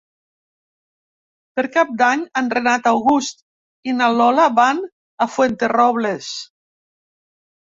Per Cap d'Any en Renat August i na Lola van a Fuenterrobles.